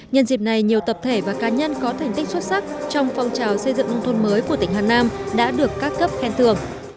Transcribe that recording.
nhân dịp này nhiều tập thể và cá nhân có thành tích xuất sắc trong phong trào xây dựng nông thôn mới của tỉnh hà nam đã được các cấp khen thưởng